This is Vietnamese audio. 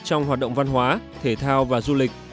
trong hoạt động văn hóa thể thao và du lịch